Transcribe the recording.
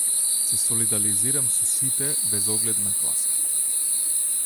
Се солидализирам со сите без оглед на класата.